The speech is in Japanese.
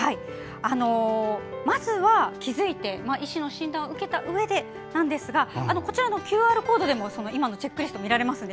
まずは気付いて医師の診断を受けたうえでですがこちらのＱＲコードでもチェックリストが見られますので。